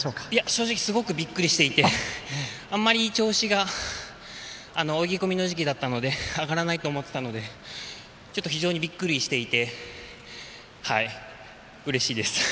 正直、びっくりしていてあんまり調子が泳ぎ込みの時期だったので上がらないと思っていたので非常にびっくりしていてうれしいです。